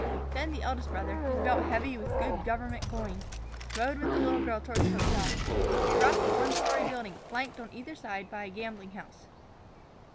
Then the eldest brother, his belt heavy with good government coin, rode with the little girl toward the hotel, a rough, one story building flanked on either side by a gambling house.